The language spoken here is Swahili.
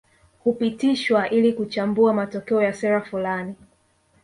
Hupitishwa ili kuchambua matokeo ya sera fulani